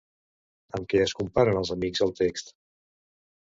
Amb què es comparen els amics al text?